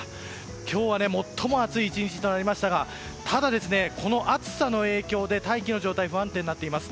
今日は最も暑い１日となりましたがただ、この暑さの影響で大気の状態が不安定になっています。